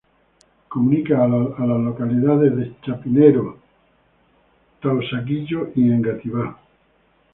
Comunica a las localidades de Chapinero, Teusaquillo, y Engativá.